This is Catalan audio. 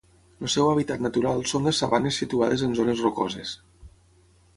El seu hàbitat natural són les sabanes situades en zones rocoses.